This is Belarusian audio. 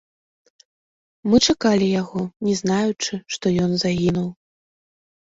Мы чакалі яго, не знаючы, што ён загінуў.